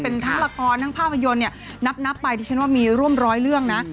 เป็นทั้งละครทั้งภาพยนตร์เนี่ยนับไปดิฉันว่ามีร่วมร้อยเรื่องนะ